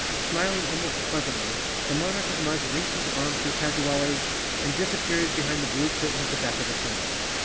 Smiling almost pleasantly, the Monarch of Mudge linked his arm through Tazzywaller's and disappeared behind the blue curtain at the back of the tent.